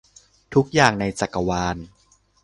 ทุกอย่างในจักรวาล